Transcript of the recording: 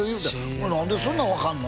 お前何でそんなん分かんの？